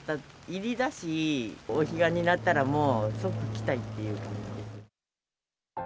入りだし、お彼岸になったらもう即来たいっていう感じです。